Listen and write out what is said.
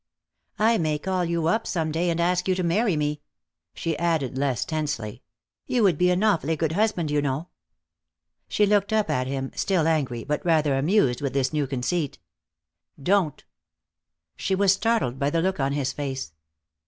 I may call you up some day and ask you to marry me!" she added, less tensely. "You would be an awfully good husband, you know." She looked up at him, still angry, but rather amused with this new conceit. "Don't!" She was startled by the look on his face.